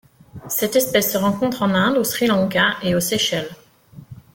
Cette espèce se rencontre en Inde, au Sri Lanka et aux Seychelles.